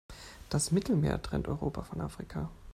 Das Mittelmeer trennt Europa von Afrika.